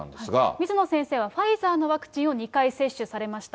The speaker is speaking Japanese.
水野先生は、ファイザーのワクチンを２回接種されました。